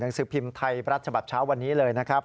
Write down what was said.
หนังสือพิมพ์ไทยประจำบัดเช้าวันนี้เลยนะครับ